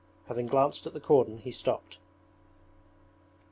Having glanced at the cordon he stopped.